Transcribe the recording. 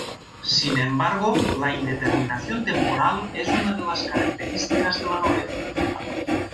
Sin embargo, la indeterminación temporal es una de las características de la novela.